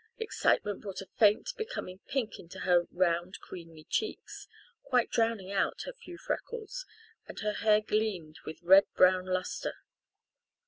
Excitement brought a faint, becoming pink into her round creamy cheeks, quite drowning out her few freckles, and her hair gleamed with red brown lustre.